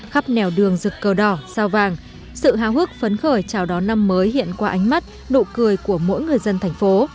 khắp nèo đường rực cầu đỏ sao vàng sự háo hức phấn khởi chào đón năm mới hiện qua ánh mắt độ cười của mỗi người dân thành phố